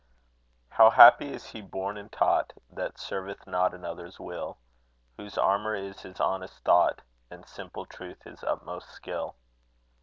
How happy is he born and taught, That serveth not another's will; Whose armour is his honest thought, And simple truth his utmost skill.